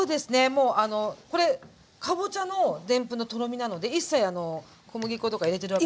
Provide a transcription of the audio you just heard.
もうこれかぼちゃのでんぷんのとろみなので一切小麦粉とか入れてるわけではない。